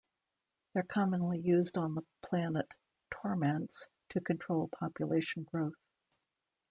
They're commonly used on the planet Tormance to control population growth.